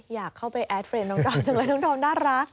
อยากเข้าไปแอดเรนน้องดอมทำไมน้องดอมน่ารัก